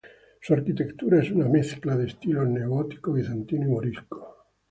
Su arquitectura es una mezcla de estilos neogótico, bizantino y morisco.